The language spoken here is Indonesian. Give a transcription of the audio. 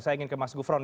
saya ingin ke mas gufron